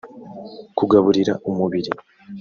kugaburira umubiri